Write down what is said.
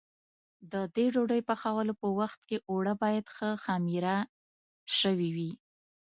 د دې ډوډۍ پخولو په وخت کې اوړه باید ښه خمېره شوي وي.